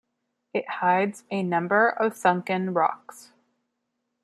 It hides a number of sunken rocks.